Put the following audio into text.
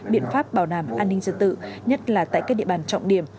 biện pháp bảo đảm an ninh trật tự nhất là tại các địa bàn trọng điểm